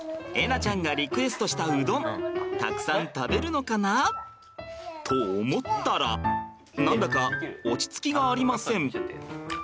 菜ちゃんがリクエストしたうどんたくさん食べるのかな？と思ったら何だか落ち着きがありません。